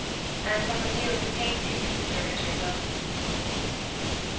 and from a view of the Painting of Mr. Richard Wilson.